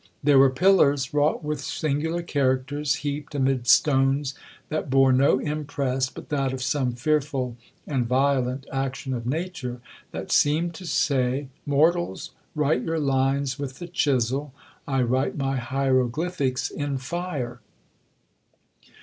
There were pillars, wrought with singular characters, heaped amid stones that bore no impress but that of some fearful and violent action of nature, that seemed to say, Mortals, write your lines with the chisel, I write my hieroglyphics in fire.